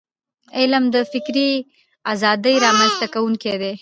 علم د فکري ازادی رامنځته کونکی دی.